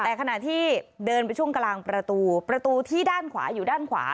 แต่ขณะที่เดินไปช่วงกลางประตูประตูที่ด้านขวาอยู่ด้านขวา